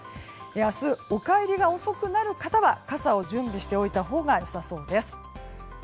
明日お帰りが遅くなる方は傘を準備しておいたほうがよさそうです。